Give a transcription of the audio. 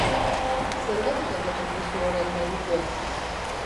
Zergatik aldatu duzu orain medikua?